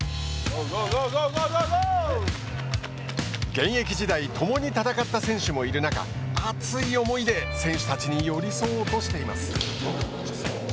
現役時代、共に戦った選手もいる中、熱い思いで選手たちに寄り添おうとしています。